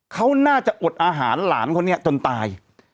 เขาน่าจะอดอาหารหลานคนนี้จนตาย